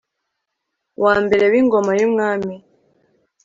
wa mbere w ingoma y umwami